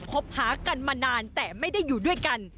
คบหากันมานานแต่ไม่ได้อยู่ด้วยกัน